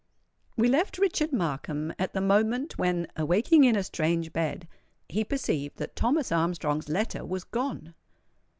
We left Richard Markham at the moment when, awaking in a strange bed, he perceived that Thomas Armstrong's letter was gone!